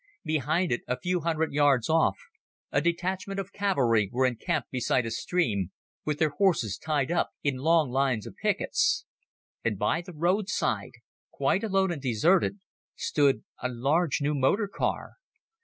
Behind it, a few hundred yards off, a detachment of cavalry were encamped beside a stream, with their horses tied up in long lines of pickets. And by the roadside, quite alone and deserted, stood a large new motor car.